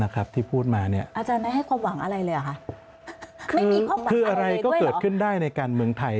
คืออะไรก็เกิดขึ้นได้ในการเมืองไทย